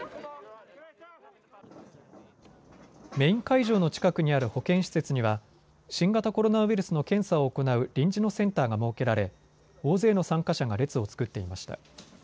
メイン会場の近くにある保健施設には新型コロナウイルスの検査を行う臨時のセンターが設けられ、大勢の参加者が列を作っていました。